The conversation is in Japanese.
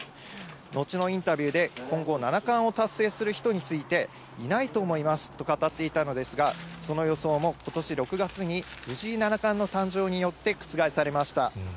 後のインタビューで、今後七冠を達成する人について、いないと思いますと語っていたのですが、その予想もことし６月に、藤井七冠の誕生によって覆されました。